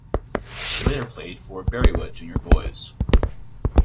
She later played for Berriew Junior Boys.